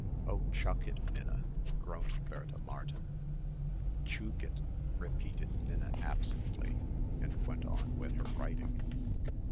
"Oh, chuck it, Minna," groaned Bertha Martin. "Tchookitt," repeated Minna absently, and went on with her writing.